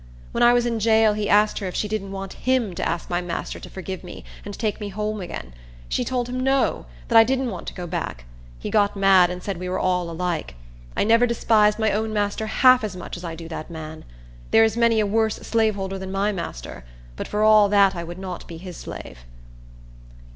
When I was in jail, he asked her if she didn't want him to ask my master to forgive me, and take me home again. She told him, No; that I didn't want to go back. He got mad, and said we were all alike. I never despised my own master half as much as I do that man. There is many a worse slaveholder than my master; but for all that I would not be his slave."